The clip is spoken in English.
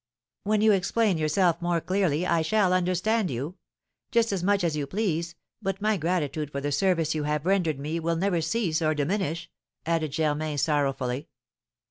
"When you explain yourself more clearly, I shall understand you. Just as much as you please, but my gratitude for the service you have rendered me will never cease or diminish," added Germain, sorrowfully.